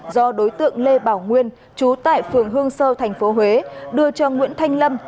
do đối tượng lê bảo nguyên chú tại phường hương sơ tp huế đưa cho nguyễn thanh lâm